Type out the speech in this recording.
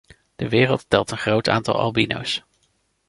De wereld telt een groot aantal albino's.